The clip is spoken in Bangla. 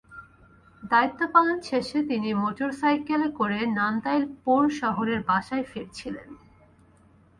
দায়িত্ব পালন শেষে তিনি মোটরসাইকেলে করে নান্দাইল পৌর শহরের বাসায় ফিরছিলেন।